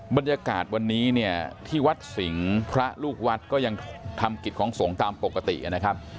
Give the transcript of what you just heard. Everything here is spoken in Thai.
บรรยากาศวันนี้เนี่ยที่วัดสิงห์พระลูกวัดก็ยังทำกิจของสงฆ์ตามปกตินะครับ